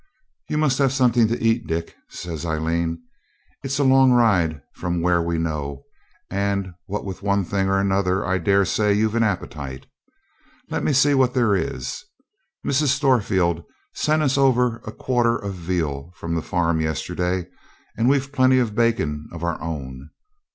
'You must have something to eat, Dick,' says Aileen; 'it's a long ride from from where we know and what with one thing and another I daresay you've an appetite. Let me see what there is. Mrs. Storefield sent us over a quarter of veal from the farm yesterday, and we've plenty of bacon of our own.